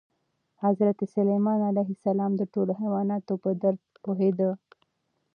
حضرت سلیمان علیه السلام د ټولو حیواناتو په درد پوهېده.